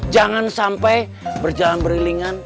jangan sampai berjalan berilingan